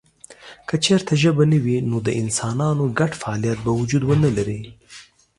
که چېرته ژبه نه وي نو د انسانانو ګډ فعالیت به وجود ونه لري.